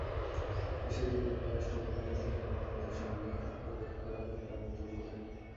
বিষয়টি নিয়ে পররাষ্ট্র মন্ত্রণালয়ের তিনজন কর্মকর্তার সঙ্গে যোগাযোগ করা হলেও তাঁরা মন্তব্য করেননি।